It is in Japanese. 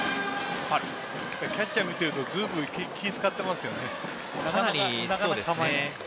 キャッチャーを見ているとずいぶん気を使っていますよね。